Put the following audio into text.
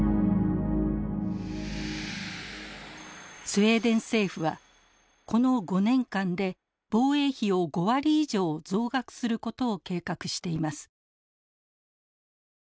スウェーデン政府はこの５年間で防衛費を５割以上増額することを計画しています。